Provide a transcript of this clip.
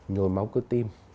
nhồi máu cơ tim